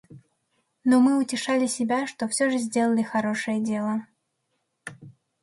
Но мы утешали себя, что всё же сделали хорошее дело.